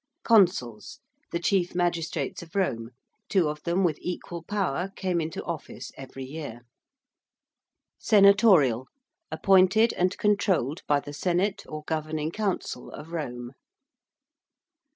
~consuls~: the chief magistrates of Rome: two of them with equal power came into office every year. ~senatorial~: appointed and controlled by the senate or governing council of Rome.